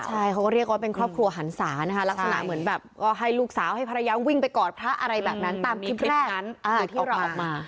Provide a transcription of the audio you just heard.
ใช่เขาก็เรียกว่าเป็นครอบครัวหันศานะคะลักษณะเหมือนแบบก็ให้ลูกสาวให้ภรรยาวิ่งไปกอดพระอะไรแบบนั้นตามคลิปแรกนั้นที่เราออกมา